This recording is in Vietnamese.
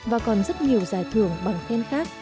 và còn rất nhiều giải thưởng bằng khen khác